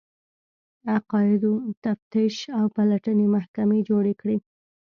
عقایدو تفتیش او پلټنې محکمې جوړې کړې